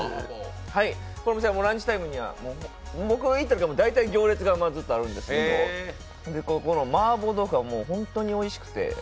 この店はランチタイムには、僕が行ったときは大体行列があるんですけど、この麻婆豆腐が本当においしくて。